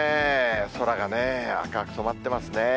空がね、赤く染まってますね。